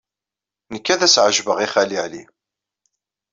Nekk ad as-ɛejbeɣ i Xali Ɛli.